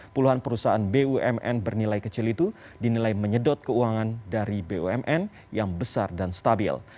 puluhan perusahaan bumn bernilai kecil itu dinilai menyedot keuangan dari bumn yang besar dan stabil